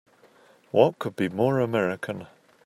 What could be more American!